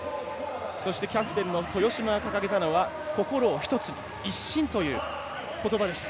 そして、キャプテンの豊島が掲げたのは心を１つに一心ということばでした。